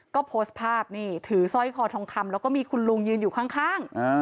ก็โพสต์ภาพนี่ถือสร้อยคอทองคำแล้วก็มีคุณลุงยืนอยู่ข้าง